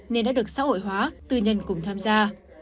nên đã được xã hội hóa tư nhân cùng tham gia